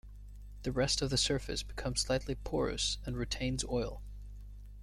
The rest of the surface becomes slightly porous and retains oil.